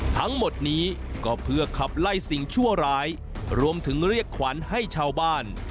ทั้งหมดนี้ก็เพื่อขับไล่สิ่งชั่วร้ายรวมถึงเรียกขวัญให้ชาวบ้าน